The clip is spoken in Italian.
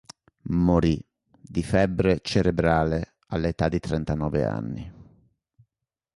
Morì di febbre cerebrale all'età di trentanove anni.